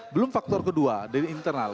belum faktor kedua dari internal